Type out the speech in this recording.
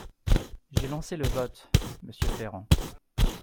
J’ai lancé le vote, monsieur Ferrand.